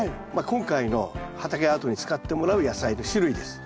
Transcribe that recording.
今回の畑アートに使ってもらう野菜の種類です。